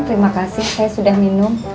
terima kasih saya sudah minum